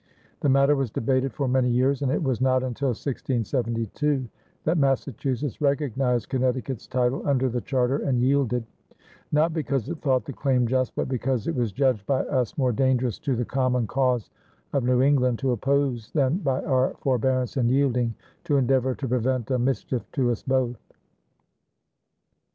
The matter was debated for many years, and it was not until 1672 that Massachusetts recognized Connecticut's title under the charter and yielded, not because it thought the claim just but because "it was judged by us more dangerous to the common cause of New England to oppose than by our forbearance and yielding to endeavour to prevent a mischief to us both."